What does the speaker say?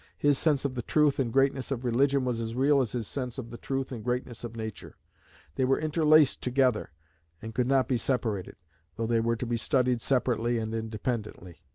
His sense of the truth and greatness of religion was as real as his sense of the truth and greatness of nature; they were interlaced together, and could not be separated, though they were to be studied separately and independently.